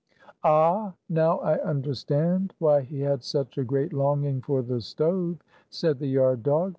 "Ah, now I understand why he had such a great longing for the stove," said the yard dog.